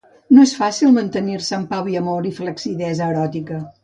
No és fàcil mantenir-se en pau i amor i flaccidesa eròtica.